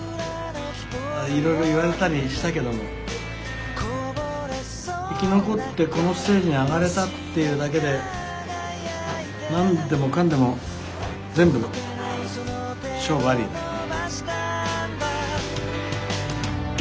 いろいろ言われたりしたけども生き残ってこのステージに上がれたっていうだけで何でもかんでも全部勝負ありだよね。